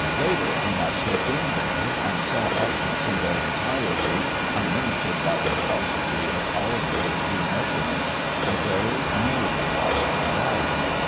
Later, when I slipped in there and saw objects in their entirety, unlimited by the paucity of our poor three measurements, I very nearly lost my life.